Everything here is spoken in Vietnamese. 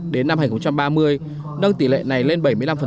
đến năm hai nghìn ba mươi nâng tỷ lệ này lên bảy mươi năm